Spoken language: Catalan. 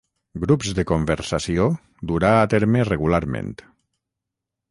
Grups de conversació durà a terme regularment.